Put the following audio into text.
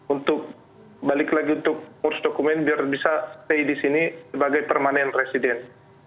untuk balik lagi untuk ngurus dokumen biar bisa stay di sini sebagai permanent resident